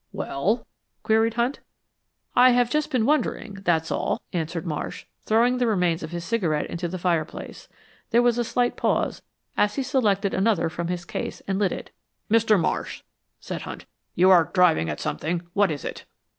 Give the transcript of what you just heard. "Well?" queried Hunt. "I've just been wondering that's all," answered Marsh, throwing the remains of his cigarette into the fire place. There was a slight pause as he selected another from his case and lit it. "Mr. Marsh," said Hunt, "you're driving at something. What is it?"